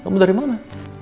kamu dari mana